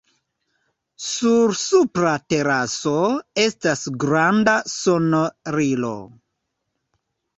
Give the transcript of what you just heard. Sur supra teraso estas granda sonorilo.